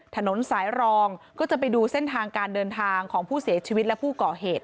ถนนสายรองก็จะไปดูเส้นทางการเดินทางของผู้เสียชีวิตและผู้ก่อเหตุ